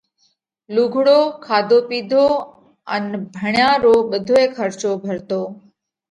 لُوگھڙو، کاڌو پِيڌو ان ڀڻيا رو ٻڌوئي کرچو ڀرتو۔